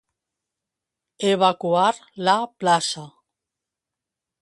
Evacuar la plaça.